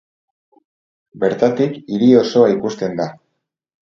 Bertatik hiri osoa ikusten da.